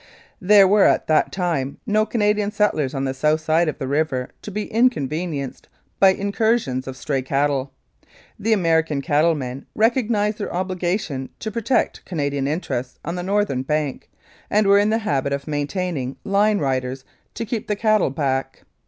There were at that time no Canadian settlers on the south side of the river to be inconvenienced by incursions of stray cattle. The American cattlemen recognised their obligation to pro tect Canadian interests on the northern bank, and were in the habit of maintaining line riders to keep the cattle back.